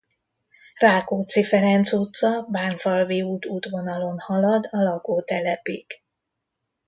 Rákóczi Ferenc utca–Bánfalvi út útvonalon halad a lakótelepig.